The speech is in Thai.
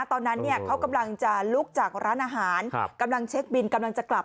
ตอนนั้นเนี่ยเขากำลังจะลุกจากร้านอาหารกำลังเช็คบินกำลังจะกลับ